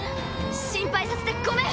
⁉心配させてごめん。